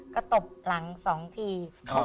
ก็ตบหลัง๒ที